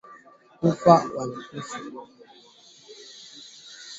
Kufura na kuathirika kwa korodani kende au pumbu moja au zote mbili